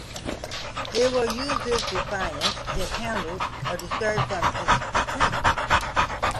It will use this defence if handled or disturbed from its retreat.